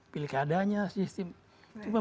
pilkadanya sistem cuma